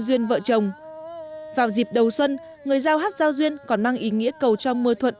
duyên vợ chồng vào dịp đầu xuân người giao hát giao duyên còn mang ý nghĩa cầu cho mưa thuận